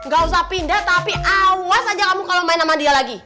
gak usah pindah tapi awas aja kamu kalau main sama dia lagi